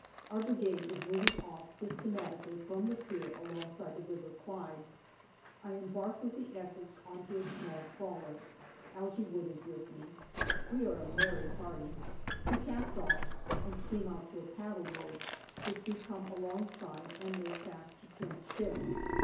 Our Brigade is moving off systematically from the pier alongside the River Clyde. I embark with the Essex on to a small trawler. Algy Wood is with me. We are a merry party. We cast off and steam out to a paddle boat, which we come along side, and make fast to tranship.